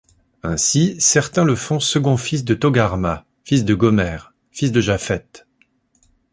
Ainsi, certains le font second fils de Togarma, fils de Gomère, fils de Japhet.